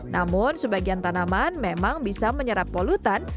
namun sebagian tanaman memang bisa menyerap polutan